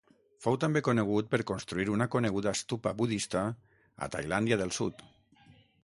Fou també conegut per construir una coneguda stupa budista a Tailàndia del sud.